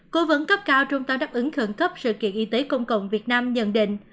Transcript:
cố vấn cấp cao trung tâm đáp ứng khẩn cấp sự kiện y tế công cộng việt nam nhận định